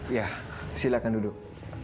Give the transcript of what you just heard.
iya silakan duduk